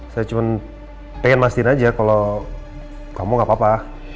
saya cuma pengen masin aja kalau kamu gak apa apa